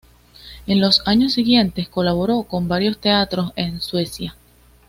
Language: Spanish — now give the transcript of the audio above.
En los años siguientes colaboró con varios teatros en Suecia.